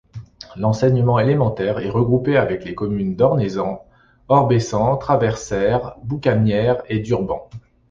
L'enseignement élémentaire est regroupé avec les communes d'Ornézan, Orbessan, Traversères, Boucagnères et Durban.